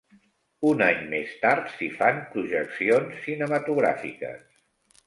Un any més tard s'hi fan projeccions cinematogràfiques.